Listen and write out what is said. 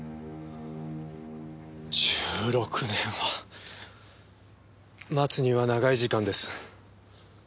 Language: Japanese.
１６年は待つには長い時間です。